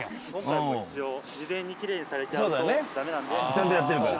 ちゃんとやってるから。